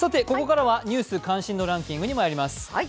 ここからは「ニュース関心度ランキング」にまいります。